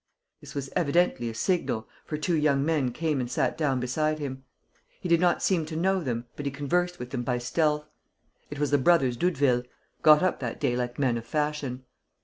This was evidently a signal, for two young men came and sat down beside him. He did not seem to know them, but he conversed with them by stealth. It was the brothers Doudeville, got up that day like men of fashion.